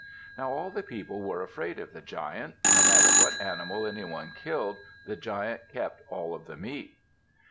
Now all the people were afraid of the Giant. No matter what animal anyone killed, the Giant kept all of the meat.